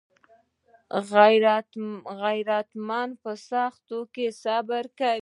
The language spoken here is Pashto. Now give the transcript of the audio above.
غیرتمند په سختیو صبر کوي